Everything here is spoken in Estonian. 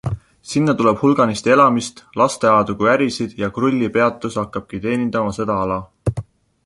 Sinna tuleb hulganisti elamist, lasteaedu kui ärisid ja Krulli peatus hakkabki teenindama seda ala.